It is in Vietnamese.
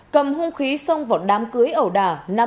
cầm hung khí xong vỏ đám cưới ẩu đà